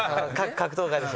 格闘家です。